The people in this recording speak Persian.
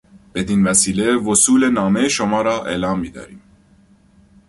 بدین وسیله وصول نامهی شما را اعلام میداریم.